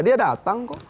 dia datang kok